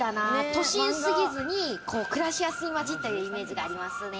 都心過ぎずに、暮らしやすい街というイメージがありますね。